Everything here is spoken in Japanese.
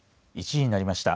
１時になりました。